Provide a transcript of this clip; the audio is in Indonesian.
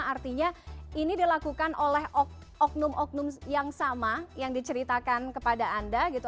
artinya ini dilakukan oleh oknum oknum yang sama yang diceritakan kepada anda gitu